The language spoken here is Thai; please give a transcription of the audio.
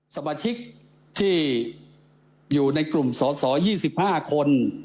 สมาชิกที่อยู่ในกลุ่มสอสอ๒๕คน